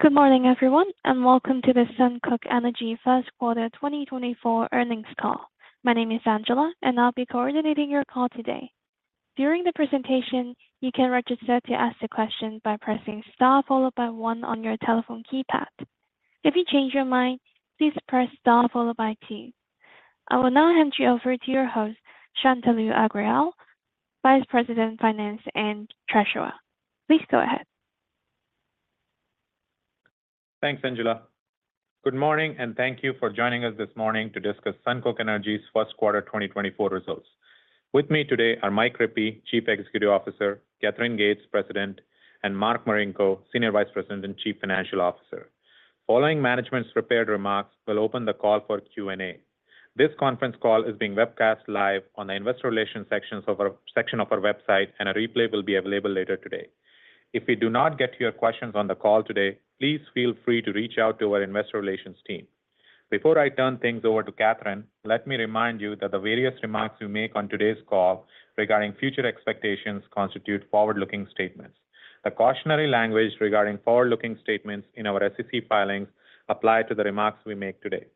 Good morning, everyone, and welcome to the SunCoke Energy Q1 2024 Earnings Call. My name is Angela, and I'll be coordinating your call today. During the presentation, you can register to ask the question by pressing star 1 on your telephone keypad. If you change your mind, please press star 2. I will now hand you over to your host, Shantanu Agrawal, Vice President, Finance and Treasurer. Please go ahead. Thanks, Angela. Good morning, and thank you for joining us this morning to discuss SunCoke Energy's Q1 2024 Results. With me today are Mike Rippey, Chief Executive Officer; Katherine Gates, President; and Mark Marinko, Senior Vice President and Chief Financial Officer. Following management's prepared remarks, we'll open the call for Q&A. This conference call is being webcast live on the investor relations section of our website, and a replay will be available later today. If we do not get to your questions on the call today, please feel free to reach out to our investor relations team. Before I turn things over to Katherine, let me remind you that the various remarks we make on today's call regarding future expectations constitute forward-looking statements. The cautionary language regarding forward-looking statements in our SEC filings apply to the remarks we make today.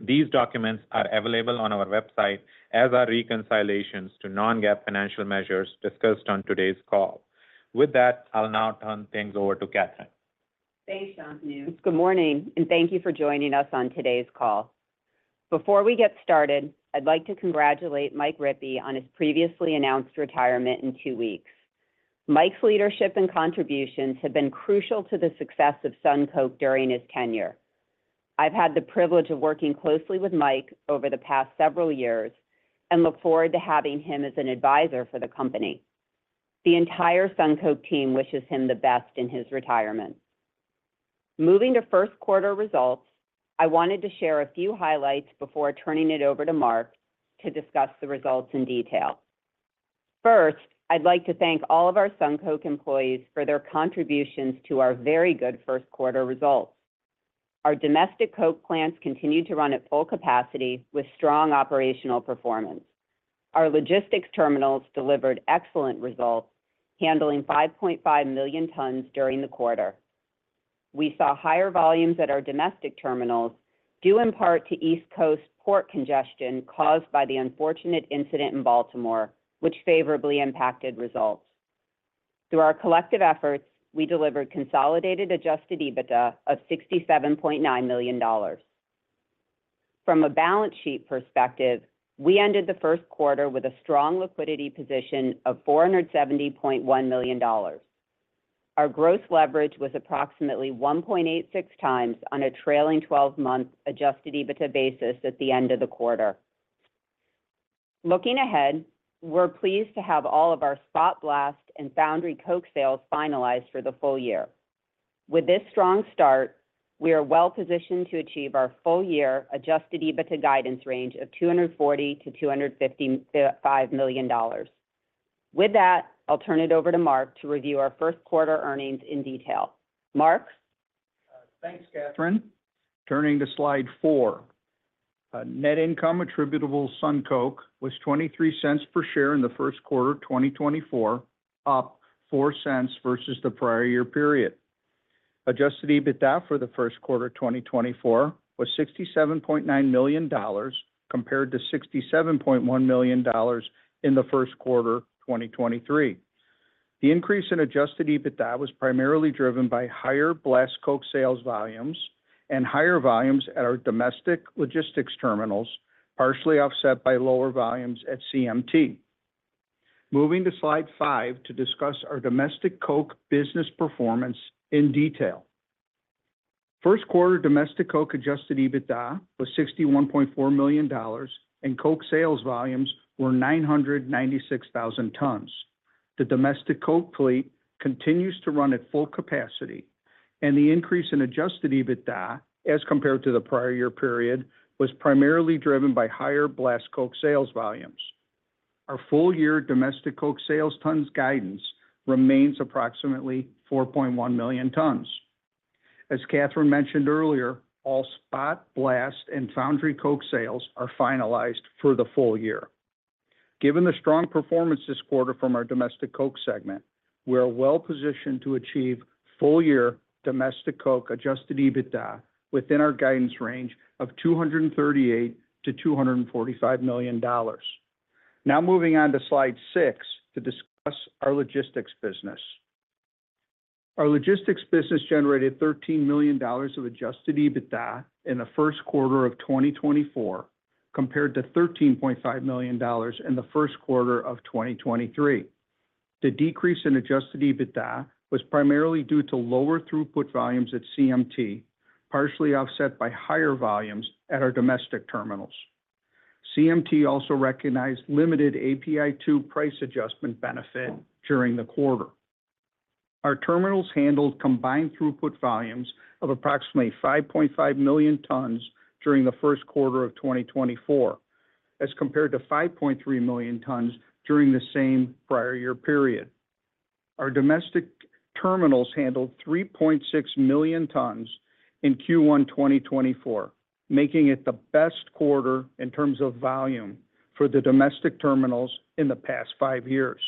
These documents are available on our website, as are reconciliations to non-GAAP financial measures discussed on today's call. With that, I'll now turn things over to Katherine. Thanks, Shantanu. Good morning, and thank you for joining us on today's call. Before we get started, I'd like to congratulate Mike Rippey on his previously announced retirement in two weeks. Mike's leadership and contributions have been crucial to the success of SunCoke during his tenure. I've had the privilege of working closely with Mike over the past several years and look forward to having him as an advisor for the company. The entire SunCoke team wishes him the best in his retirement. Moving to Q1 results, I wanted to share a few highlights before turning it over to Mark to discuss the results in detail. First, I'd like to thank all of our SunCoke employees for their contributions to our very good Q1 results. Our domestic coke plants continued to run at full capacity with strong operational performance. Our logistics terminals delivered excellent results, handling 5.5 million tons during the quarter. We saw higher volumes at our domestic terminals, due in part to East Coast port congestion caused by the unfortunate incident in Baltimore, which favorably impacted results. Through our collective efforts, we delivered consolidated Adjusted EBITDA of $67.9 million. From a balance sheet perspective, we ended the Q1 with a strong liquidity position of $470.1 million. Our gross leverage was approximately 1.86x on a trailing-twelve-month Adjusted EBITDA basis at the end of the quarter. Looking ahead, we're pleased to have all of our spot blast and foundry coke sales finalized for the full year. With this strong start, we are well-positioned to achieve our full-year Adjusted EBITDA guidance range of $240 million-$255 million. With that, I'll turn it over to Mark to review our Q1 earnings in detail. Mark? Thanks, Katherine. Turning to slide 4. Net income attributable to SunCoke was $0.23 per share in the Q1 of 2024, up $0.04 versus the prior year period. Adjusted EBITDA for the Q1 2024 was $67.9 million, compared to $67.1 million in the Q1 2023. The increase in Adjusted EBITDA was primarily driven by higher blast coke sales volumes and higher volumes at our domestic logistics terminals, partially offset by lower volumes at CMT. Moving to slide 5 to discuss our domestic coke business performance in detail. Q1 domestic coke Adjusted EBITDA was $61.4 million, and coke sales volumes were 996,000 tons. The domestic coke fleet continues to run at full capacity, and the increase in Adjusted EBITDA, as compared to the prior year period, was primarily driven by higher blast coke sales volumes. Our full-year domestic coke sales tons guidance remains approximately 4.1 million tons. As Katherine mentioned earlier, all spot blast and foundry coke sales are finalized for the full year. Given the strong performance this quarter from our domestic coke segment, we are well-positioned to achieve full-year domestic coke Adjusted EBITDA within our guidance range of $238 million-$245 million. Now moving on to slide 6 to discuss our logistics business. Our logistics business generated $13 million of Adjusted EBITDA in the Q1 of 2024, compared to $13.5 million in the Q1 of 2023. The decrease in Adjusted EBITDA was primarily due to lower throughput volumes at CMT, partially offset by higher volumes at our domestic terminals. CMT also recognized limited API2 price adjustment benefit during the quarter. Our terminals handled combined throughput volumes of approximately 5.5 million tons during the Q1 of 2024, as compared to 5.3 million tons during the same prior year period. Our domestic terminals handled 3.6 million tons in Q1 2024, making it the best quarter in terms of volume for the domestic terminals in the past 5 years.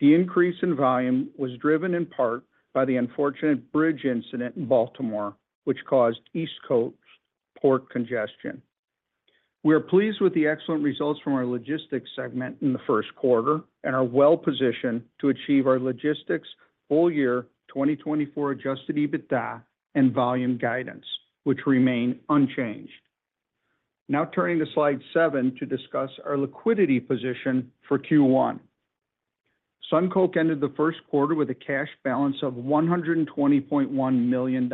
The increase in volume was driven in part by the unfortunate bridge incident in Baltimore, which caused East Coast port congestion. We are pleased with the excellent results from our logistics segment in the Q1, and are well-positioned to achieve our logistics full year 2024 Adjusted EBITDA and volume guidance, which remain unchanged. Now turning to slide 7 to discuss our liquidity position for Q1. SunCoke ended the Q1 with a cash balance of $120.1 million.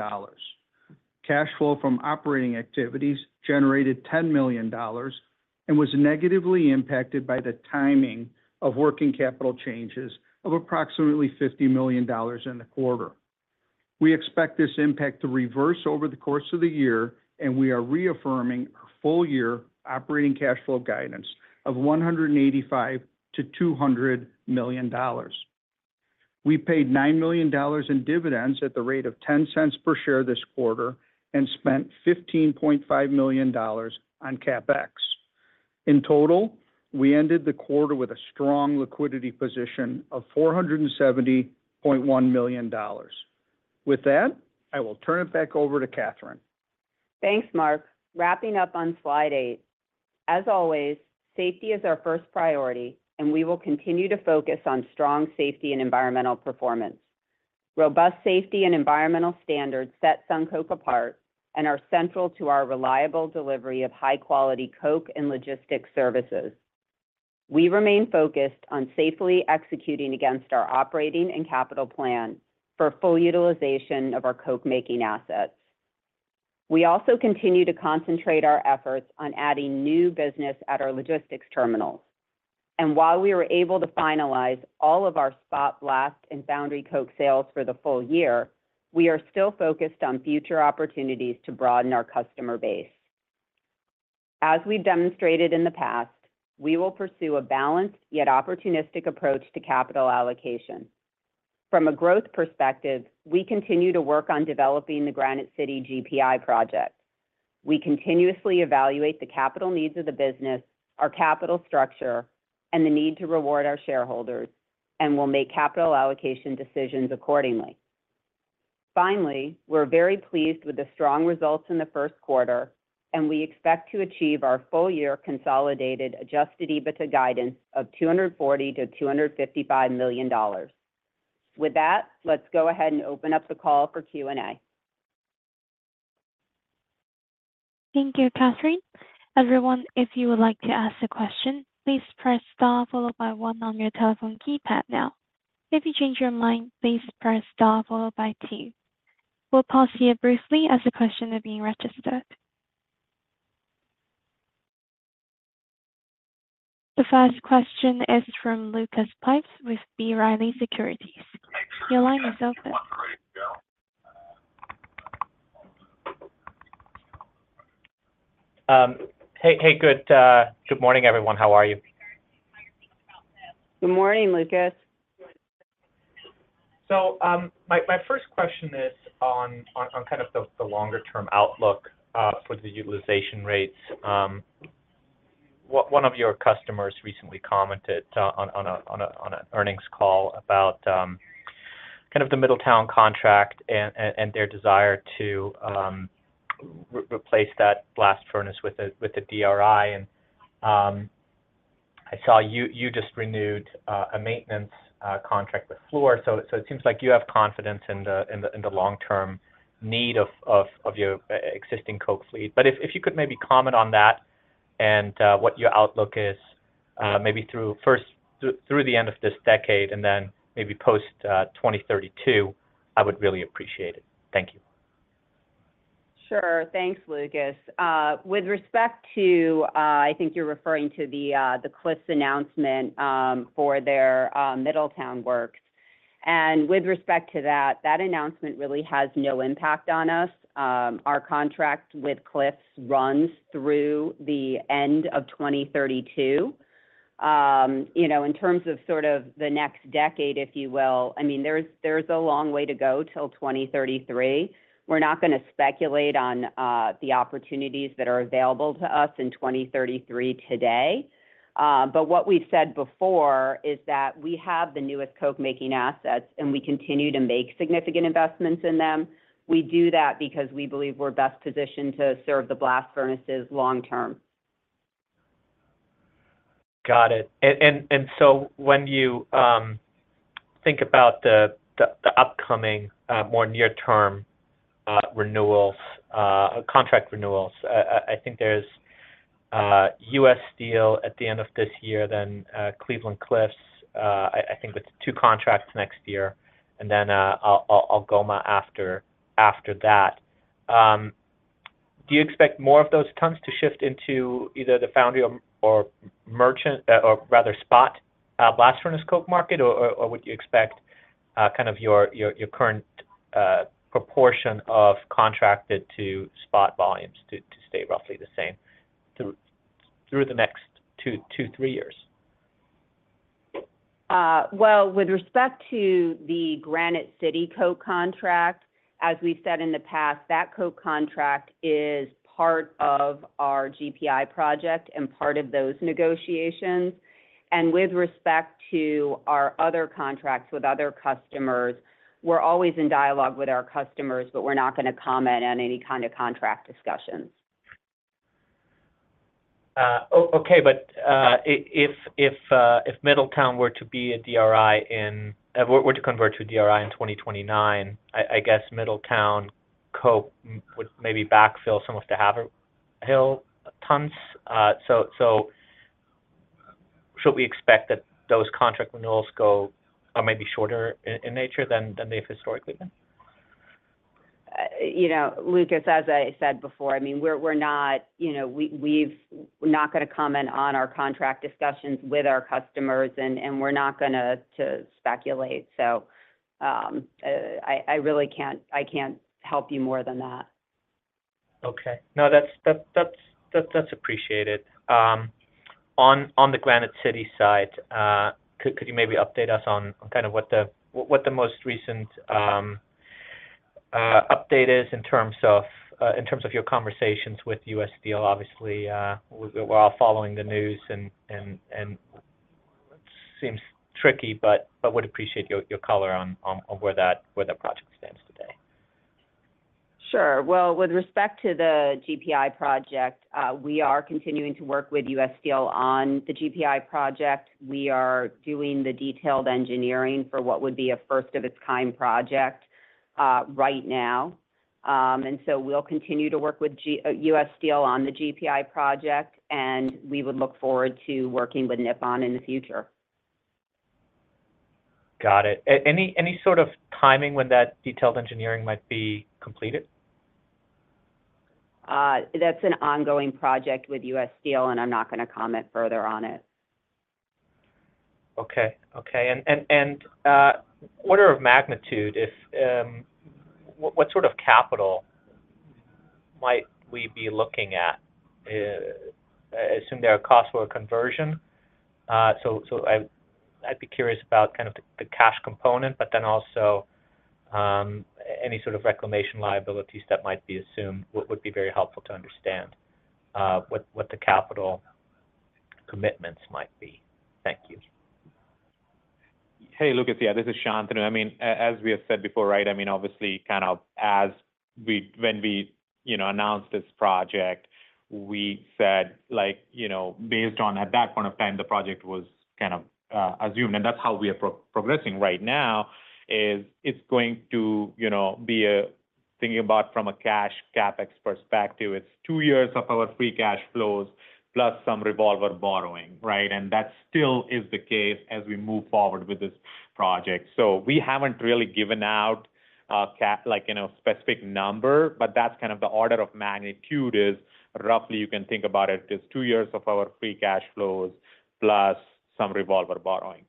Cash flow from operating activities generated $10 million, and was negatively impacted by the timing of working capital changes of approximately $50 million in the quarter. We expect this impact to reverse over the course of the year, and we are reaffirming our full year operating cash flow guidance of $185 million-$200 million. We paid $9 million in dividends at the rate of $0.10 per share this quarter, and spent $15.5 million on CapEx. In total, we ended the quarter with a strong liquidity position of $470.1 million. With that, I will turn it back over to Katherine. Thanks, Mark. Wrapping up on slide eight. As always, safety is our first priority, and we will continue to focus on strong safety and environmental performance. Robust safety and environmental standards set SunCoke apart and are central to our reliable delivery of high-quality coke and logistics services. We remain focused on safely executing against our operating and capital plan for full utilization of our coke-making assets. We also continue to concentrate our efforts on adding new business at our logistics terminals. And while we were able to finalize all of our spot blast and foundry coke sales for the full year, we are still focused on future opportunities to broaden our customer base. As we've demonstrated in the past, we will pursue a balanced yet opportunistic approach to capital allocation. From a growth perspective, we continue to work on developing the Granite City GPI project. We continuously evaluate the capital needs of the business, our capital structure, and the need to reward our shareholders, and will make capital allocation decisions accordingly. Finally, we're very pleased with the strong results in the Q1, and we expect to achieve our full year consolidated Adjusted EBITDA guidance of $240 million-$255 million. With that, let's go ahead and open up the call for Q&A. Thank you, Katherine. Everyone, if you would like to ask a question, please press star followed by one on your telephone keypad now. If you change your mind, please press star followed by two. We'll pause here briefly as the questions are being registered. The first question is from Lucas Pipes with B. Riley Securities. Your line is open. Hey, hey. Good, good morning, everyone. How are you? Good morning, Lucas. So, my first question is on kind of the longer-term outlook for the utilization rates. One of your customers recently commented on an earnings call about kind of the Middletown contract and their desire to replace that blast furnace with a DRI. And I saw you just renewed a maintenance contract with Fluor, so it seems like you have confidence in the long-term need of your existing coke fleet. But if you could maybe comment on that and what your outlook is, maybe through the end of this decade and then maybe post 2032, I would really appreciate it. Thank you. Sure. Thanks, Lucas. With respect to, I think you're referring to the Cliffs announcement for their Middletown Works. And with respect to that, that announcement really has no impact on us. Our contract with Cliffs runs through the end of 2032. You know, in terms of sort of the next decade, if you will, I mean, there's a long way to go till 2033. We're not gonna speculate on the opportunities that are available to us in 2033 today. But what we've said before is that we have the newest coke-making assets, and we continue to make significant investments in them. We do that because we believe we're best positioned to serve the blast furnaces long term. Got it. And so when you think about the upcoming more near-term renewals, contract renewals, I think there's U.S. Steel at the end of this year, then Cleveland-Cliffs, I think it's two contracts next year, and then Algoma after that. Do you expect more of those tons to shift into either the foundry or merchant, or rather spot blast furnace coke market, or would you expect kind of your current proportion of contracted to spot volumes to stay roughly the same through the next two to three years? Well, with respect to the Granite City coke contract, as we've said in the past, that coke contract is part of our GPI project and part of those negotiations. And with respect to our other contracts with other customers, we're always in dialogue with our customers, but we're not gonna comment on any kind of contract discussions. Okay, but if Middletown were to convert to DRI in 2029, I guess Middletown coke would maybe backfill some of the Haverhill tons. So, should we expect that those contract renewals go maybe shorter in nature than they've historically been? You know, Lucas, as I said before, I mean, we're not gonna comment on our contract discussions with our customers, and we're not gonna to speculate. So, I really can't help you more than that. Okay. No, that's appreciated. On the Granite City side, could you maybe update us on kind of what the most recent update is in terms of your conversations with U.S. Steel? Obviously, we're all following the news, and it seems tricky, but would appreciate your color on where the project stands today. Sure. Well, with respect to the GPI project, we are continuing to work with U.S. Steel on the GPI project. We are doing the detailed engineering for what would be a first of its kind project, right now. And so we'll continue to work with U.S. Steel on the GPI project, and we would look forward to working with Nippon in the future. Got it. Any sort of timing when that detailed engineering might be completed? That's an ongoing project with U.S. Steel, and I'm not gonna comment further on it. Okay, okay. And order of magnitude, if... What sort of capital might we be looking at? I assume there are costs for a conversion. So I, I'd be curious about kind of the cash component, but then also any sort of reclamation liabilities that might be assumed would be very helpful to understand what the capital commitments might be. Thank you. Hey, Lucas. Yeah, this is Shantanu. I mean, as we have said before, right? I mean, obviously, kind of, as we, when we, you know, announced this project, we said, like, you know, based on at that point of time, the project was kind of, assumed. And that's how we are progressing right now, is it's going to, you know, be a thinking about from a cash CapEx perspective. It's two years of our free cash flows, plus some revolver borrowing, right? And that still is the case as we move forward with this project. So we haven't really given out, like, you know, specific number, but that's kind of the order of magnitude, is roughly you can think about it as two years of our free cash flows, plus some revolver borrowing.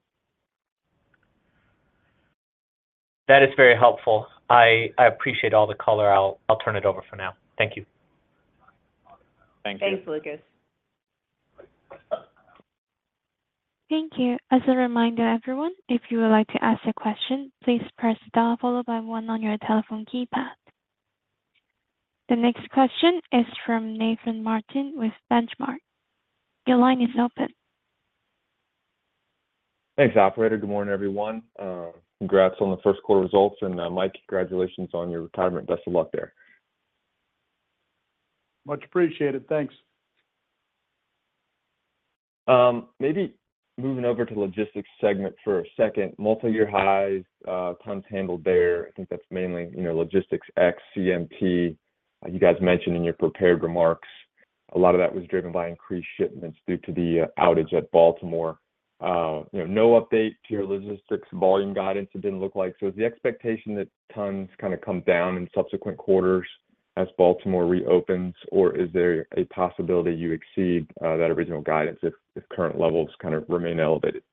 That is very helpful. I appreciate all the color. I'll turn it over for now. Thank you. Thank you. Thanks, Lucas. Thank you. As a reminder, everyone, if you would like to ask a question, please press star followed by one on your telephone keypad. The next question is from Nathan Martin with Benchmark. Your line is open. Thanks, operator. Good morning, everyone. Congrats on the Q1 results, and, Mike, congratulations on your retirement. Best of luck there. Much appreciated. Thanks. Maybe moving over to logistics segment for a second. Multi-year highs, tons handled there. I think that's mainly, you know, logistics ex CMT. You guys mentioned in your prepared remarks, a lot of that was driven by increased shipments due to the outage at Baltimore. You know, no update to your logistics volume guidance, it didn't look like. So is the expectation that tons kind of come down in subsequent quarters as Baltimore reopens, or is there a possibility you exceed that original guidance if, if current levels kind of remain elevated?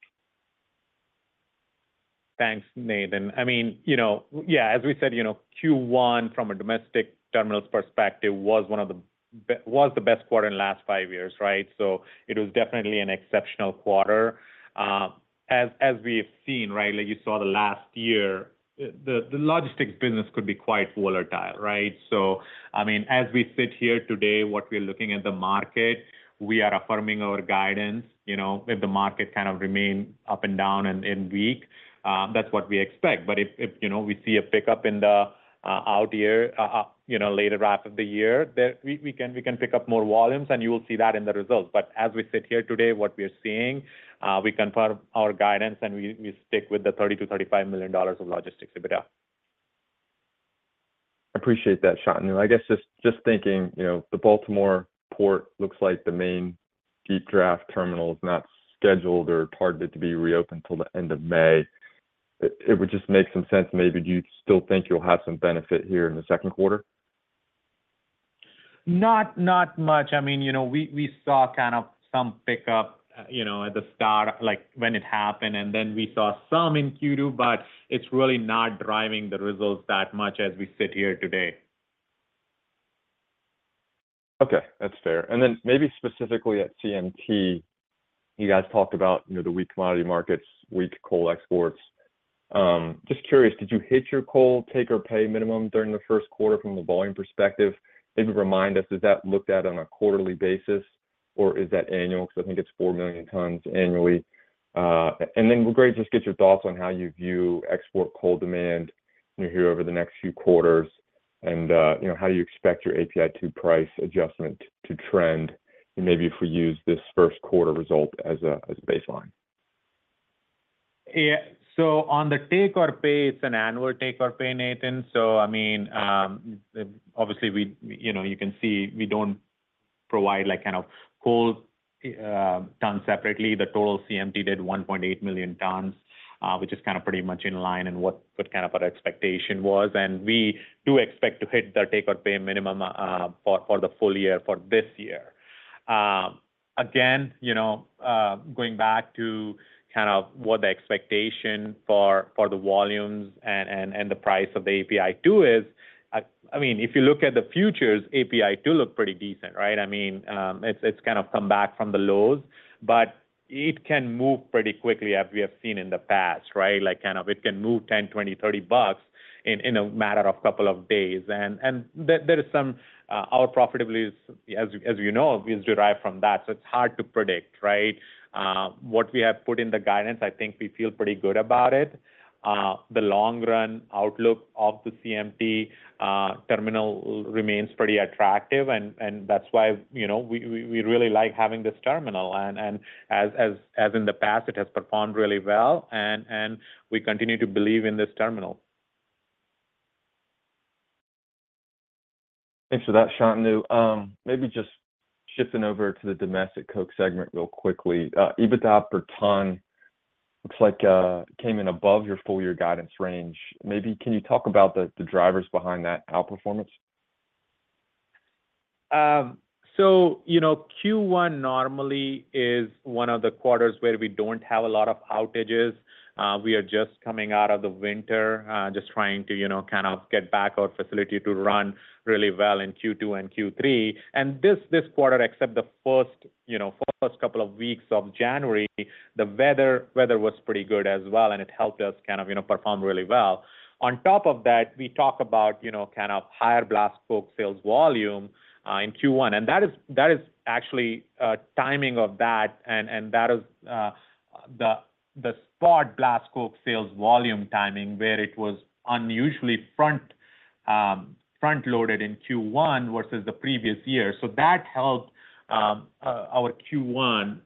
Thanks, Nathan. I mean, you know, yeah, as we said, you know, Q1, from a domestic terminals perspective, was the best quarter in the last five years, right? So it was definitely an exceptional quarter. As we've seen, right, like you saw the last year, the logistics business could be quite volatile, right? So, I mean, as we sit here today, what we're looking at the market, we are affirming our guidance. You know, if the market kind of remain up and down and weak, that's what we expect. But if, you know, we see a pickup in the out year, you know, later half of the year, then we can pick up more volumes, and you will see that in the results. But as we sit here today, what we are seeing, we confirm our guidance, and we stick with the $30 million-$35 million of logistics EBITDA. Appreciate that, Shantanu. I guess just, just thinking, you know, the Baltimore port looks like the main deep draft terminal is not scheduled or targeted to be reopened till the end of May. It, it would just make some sense. Maybe do you still think you'll have some benefit here in the Q2? Not much. I mean, you know, we saw kind of some pickup, you know, at the start, like when it happened, and then we saw some in Q2, but it's really not driving the results that much as we sit here today. Okay, that's fair. And then maybe specifically at CMT, you guys talked about, you know, the weak commodity markets, weak coal exports. Just curious, did you hit your coal take or pay minimum during the Q1 from a volume perspective? Maybe remind us, is that looked at on a quarterly basis, or is that annual? Because I think it's 4 million tons annually. And then great, just get your thoughts on how you view export coal demand, you know, here over the next few quarters, and, you know, how you expect your API2 price adjustment to trend, and maybe if we use this Q1 result as a, as a baseline. Yeah. So on the take or pay, it's an annual take or pay, Nathan. So I mean, obviously, we—you know, you can see we don't provide, like, kind of coal done separately. The total CMT did 1.8 million tons, which is kinda pretty much in line with what our expectation was. And we do expect to hit the take or pay minimum for the full year this year. Again, you know, going back to kind of what the expectation for the volumes and the price of the API2 is, I mean, if you look at the futures, API2 look pretty decent, right? I mean, it's kind of come back from the lows, but it can move pretty quickly as we have seen in the past, right? Like, kind of it can move $10, $20, $30 bucks in a matter of couple of days. And there is some of our profitability as you know is derived from that, so it's hard to predict, right? What we have put in the guidance, I think we feel pretty good about it. The long run outlook of the CMT terminal remains pretty attractive, and that's why, you know, we really like having this terminal. And as in the past, it has performed really well, and we continue to believe in this terminal. Thanks for that, Shantanu. Maybe just shifting over to the domestic coke segment real quickly. EBITDA per ton, looks like, came in above your full year guidance range. Maybe can you talk about the drivers behind that outperformance? So, you know, Q1 normally is one of the quarters where we don't have a lot of outages. We are just coming out of the winter, just trying to, you know, kind of get back our facility to run really well in Q2 and Q3. And this, this quarter, except the first, you know, first couple of weeks of January, the weather, weather was pretty good as well, and it helped us kind of, you know, perform really well. On top of that, we talk about, you know, kind of higher blast coke sales volume in Q1. And that is, that is actually timing of that, and, and that is the, the spot blast coke sales volume timing, where it was unusually front, front-loaded in Q1 versus the previous year. So that helped, our Q1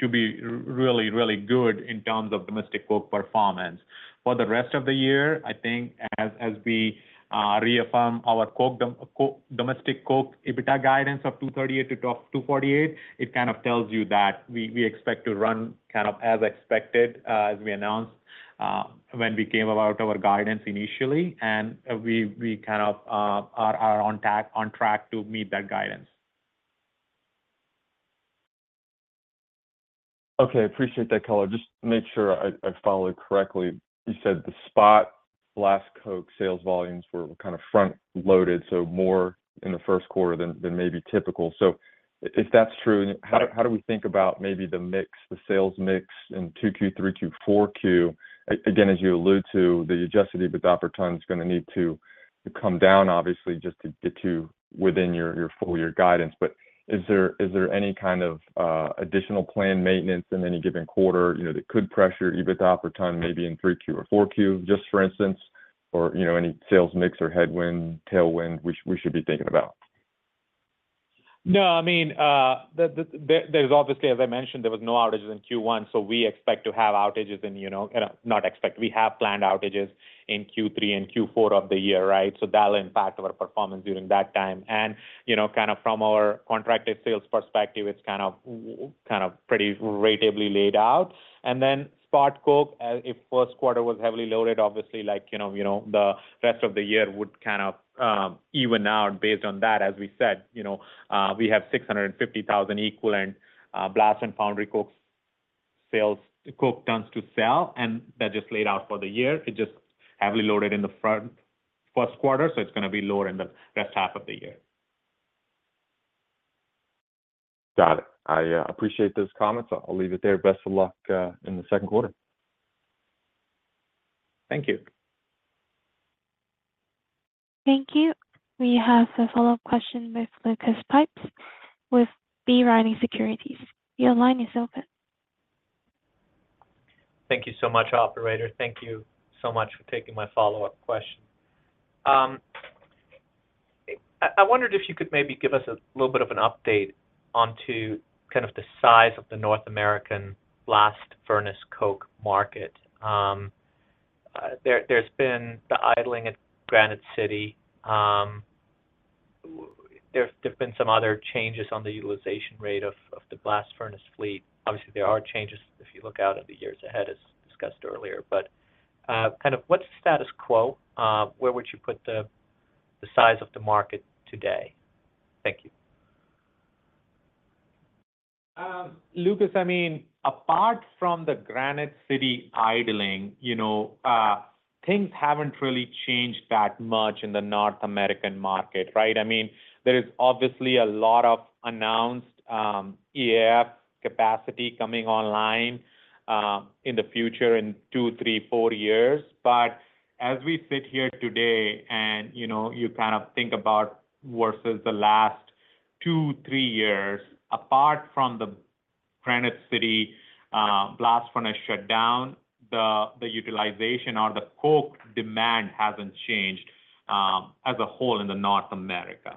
to be really, really good in terms of domestic coke performance. For the rest of the year, I think as we reaffirm our coke, domestic coke EBITDA guidance of $238-$248, it kind of tells you that we expect to run kind of as expected, as we announced, when we gave out our guidance initially, and we kind of are on track to meet that guidance. Okay, appreciate that color. Just to make sure I followed correctly, you said the spot blast coke sales volumes were kind of front-loaded, so more in the Q1 than maybe typical. So if that's true, how do we think about maybe the mix, the sales mix in 2Q, 3Q, 4Q? Again, as you allude to, the Adjusted EBITDA per ton is gonna need to come down, obviously, just to get to within your full-year guidance. But is there any kind of additional planned maintenance in any given quarter, you know, that could pressure EBITDA per ton, maybe in 3Q or 4Q, just for instance, or, you know, any sales mix or headwind, tailwind, which we should be thinking about? No, I mean, there's obviously, as I mentioned, there was no outages in Q1, so we expect to have outages in, you know... not expect, we have planned outages in Q3 and Q4 of the year, right? So that'll impact our performance during that time. And, you know, kind of from our contracted sales perspective, it's kind of pretty ratably laid out. And then spot coke, if Q1 was heavily loaded, obviously like, you know, the rest of the year would kind of even out based on that. As we said, you know, we have 650,000 equivalent blast and foundry coke sales, coke tons to sell, and that just laid out for the year. It's just heavily loaded in the front Q1, so it's gonna be lower in the rest half of the year. Got it. I appreciate those comments. I'll leave it there. Best of luck in the Q2. Thank you. Thank you. We have a follow-up question with Lucas Pipes with B. Riley Securities. Your line is open. Thank you so much, operator. Thank you so much for taking my follow-up question. I wondered if you could maybe give us a little bit of an update onto kind of the size of the North American blast furnace coke market. There, there's been the idling at Granite City. There, there've been some other changes on the utilization rate of the blast furnace fleet. Obviously, there are changes if you look out at the years ahead, as discussed earlier. But, kind of what's the status quo? Where would you put the size of the market today? Thank you. Lucas, I mean, apart from the Granite City idling, you know, things haven't really changed that much in the North American market, right? I mean, there is obviously a lot of announced EAF capacity coming online in the future, in 2, 3, 4 years. But as we sit here today and, you know, you kind of think about versus the last 2, 3 years, apart from the Granite City blast furnace shut down, the, the utilization or the coke demand hasn't changed as a whole in the North America.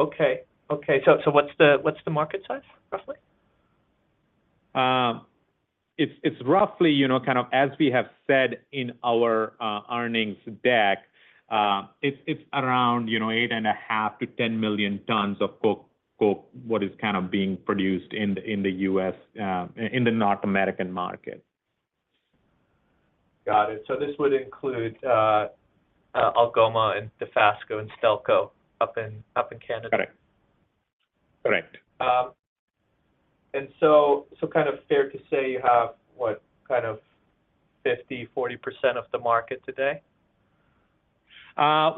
Okay, so what's the market size, roughly? It's roughly, you know, kind of as we have said in our earnings deck, it's around, you know, 8.5-10 million tons of coke what is kind of being produced in the US in the North American market. Got it. So this would include Algoma and Dofasco and Stelco up in Canada? Correct. Correct. So, kind of fair to say you have, what, kind of 50% to 40% of the market today?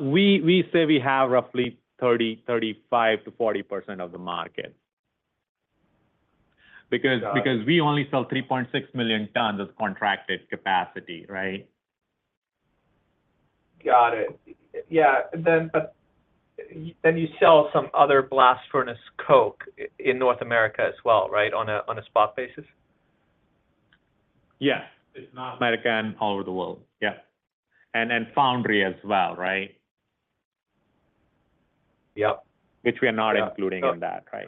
We say we have roughly 30%, 35% to 40% of the market. Because- Got it. Because we only sell 3.6 million tons of contracted capacity, right? Got it. Yeah, then, but then you sell some other blast furnace coke in North America as well, right, on a, on a spot basis? Yes, in North America and all over the world. Yeah. And, and foundry as well, right? Yep. Which we are not including in that, right?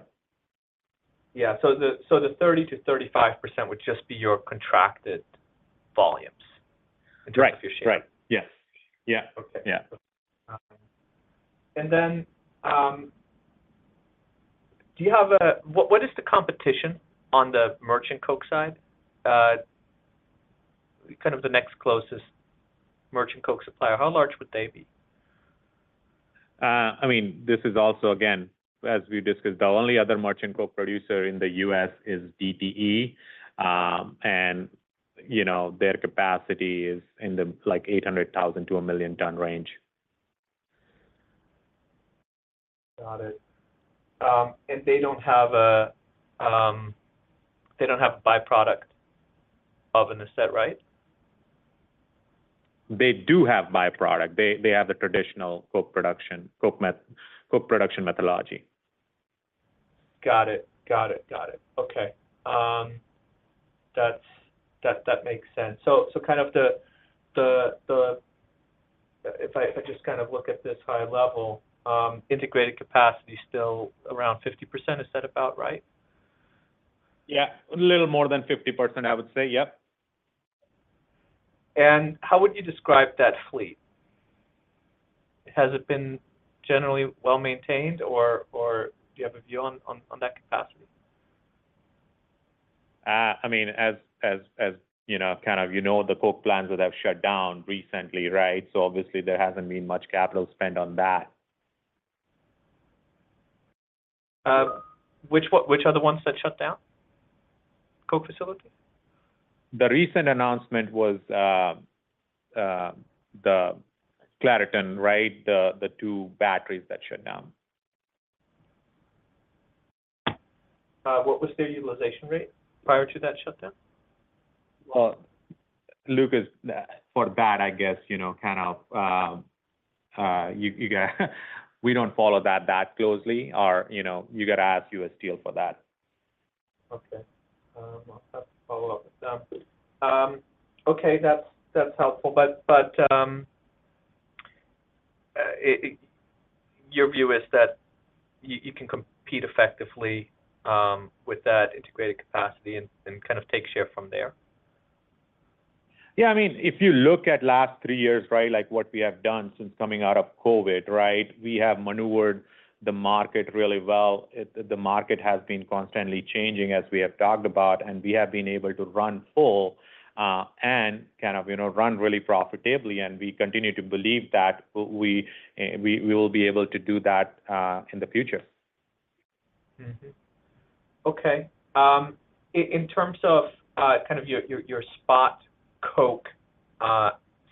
Yeah. So the 30% to 35% would just be your contracted volumes? Right. Your share. Right. Yes. Yeah. Okay. Yeah. What is the competition on the merchant coke side? Kind of the next closest merchant coke supplier, how large would they be? I mean, this is also, again, as we discussed, the only other merchant coke producer in the U.S. is DTE. You know, their capacity is in the, like, 800,000-1 million ton range. Got it. They don't have a by-product of an asset, right? They do have by-product. They, they have the traditional coke production, coke met-coke production methodology. Got it. Got it. Got it. Okay. That makes sense. So kind of the... If I just kind of look at this high level, integrated capacity is still around 50%. Is that about right? Yeah, a little more than 50%, I would say. Yep. How would you describe that fleet? Has it been generally well-maintained, or do you have a view on that capacity? I mean, as you know, kind of, you know, the coke plants that have shut down recently, right? So obviously there hasn't been much capital spent on that. Which one—which are the ones that shut down? Coke facility. The recent announcement was the Clairton, right? The two batteries that shut down. What was their utilization rate prior to that shutdown? Well, Lucas, for that, I guess, you know, kind of, we don't follow that that closely or, you know, you got to ask U.S. Steel for that. Okay. I'll have to follow up with them. Okay, that's helpful. But your view is that you can compete effectively with that integrated capacity and kind of take share from there? Yeah. I mean, if you look at last three years, right, like what we have done since coming out of COVID, right? We have maneuvered the market really well. It, the market has been constantly changing, as we have talked about, and we have been able to run full, and kind of, you know, run really profitably, and we continue to believe that we will be able to do that in the future. Mm-hmm. Okay. In terms of kind of your spot coke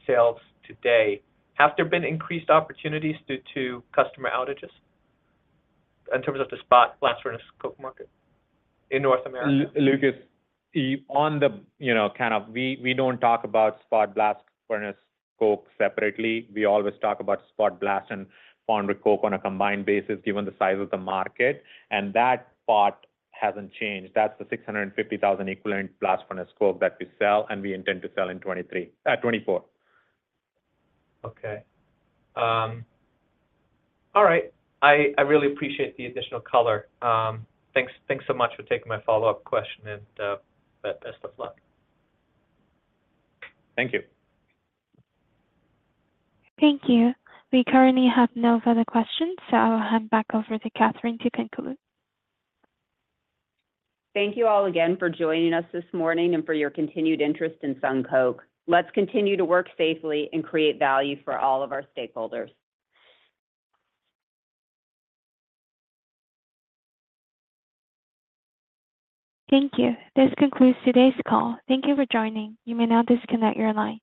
sales today, have there been increased opportunities due to customer outages in terms of the spot blast furnace coke market in North America? Lucas, on the, you know, kind of, we don't talk about spot blast furnace coke separately. We always talk about spot blast and foundry coke on a combined basis, given the size of the market, and that part hasn't changed. That's the 650,000 equivalent blast furnace coke that we sell, and we intend to sell in 2023, 2024. Okay. All right. I really appreciate the additional color. Thanks, thanks so much for taking my follow-up question, and best of luck. Thank you. Thank you. We currently have no further questions, so I'll hand back over to Katherine to conclude. Thank you all again for joining us this morning and for your continued interest in SunCoke. Let's continue to work safely and create value for all of our stakeholders. Thank you. This concludes today's call. Thank you for joining. You may now disconnect your lines.